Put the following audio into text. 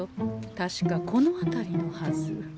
確かこの辺りのはず。